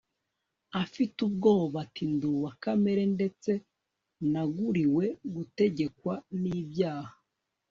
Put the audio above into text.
afitubgobati Nduwa kamere ndetse naguriwe gutegekwa nibyaha